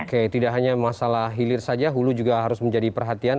oke tidak hanya masalah hilir saja hulu juga harus menjadi perhatian